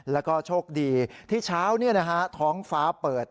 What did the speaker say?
แล้วก็โชคดีที่เช้าท้องฟ้าเปิด